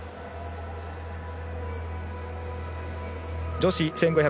女子１５００